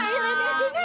ha ma eroh begitu